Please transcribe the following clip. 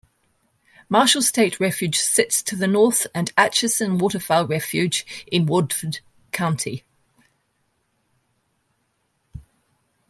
Marshall State Refuge sits to the north and Atchison Waterfowl Refuge in Woodford County.